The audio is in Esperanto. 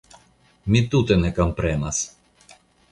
Mi tute ne komprenas!